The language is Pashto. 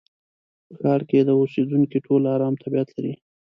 په ښار کې اوسېدونکي ټول ارامه طبيعت لري.